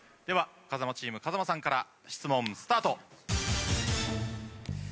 では風間チーム風間さんから質問スタート。